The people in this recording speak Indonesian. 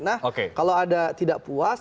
nah kalau ada tidak puas